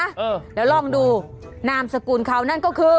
เออแล้วลองดูนามสกุลเขานั่นก็คือ